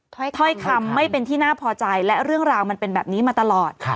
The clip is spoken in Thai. ถ้อยคำไม่เป็นที่น่าพอใจและเรื่องราวมันเป็นแบบนี้มาตลอด